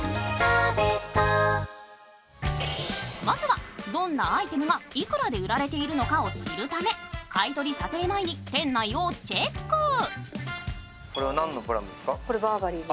まずはどんなアイテムがいくらで売られているかを知るため買い取り査定前に店内をチェック。